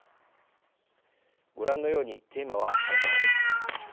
ご覧のようにテーマはさまざまです。